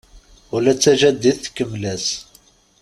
Ula d tajadit tkemmel-as.